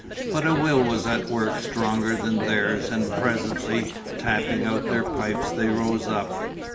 But a will was at work stronger than theirs and presently, tapping out their pipes, they rose up.